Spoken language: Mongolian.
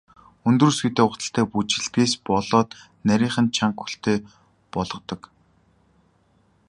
Өндөр өсгийтэй гуталтай бүжиглэдгээс болоод нарийхан, чанга хөлтэй болгодог.